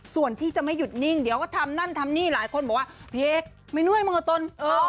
ส่วนที่จะไม่หยุดนิ่งเดี๋ยวก็ทำนั่นทำนี่หลายคนบอกว่าพี่เอกไม่น่วยมือตน